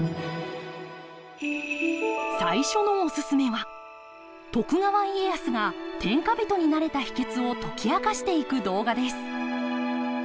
最初のおすすめは徳川家康が天下人になれた秘けつを解き明かしていく動画です。